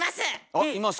あっいますか。